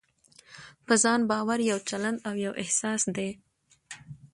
په ځان باور يو چلند او يو احساس دی.